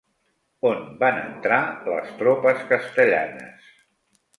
On van entrar les tropes castellanes?